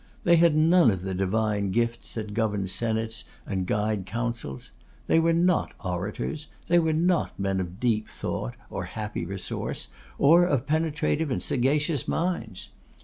They had none of the divine gifts that govern senates and guide councils. They were not orators; they were not men of deep thought or happy resource, or of penetrative and sagacious minds.